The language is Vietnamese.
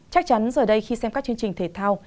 chắc chắn giờ đây khi xem các chương trình thể thao